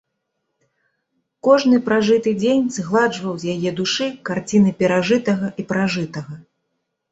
Кожны пражыты дзень згладжваў з яе душы карціны перажытага і пражытага.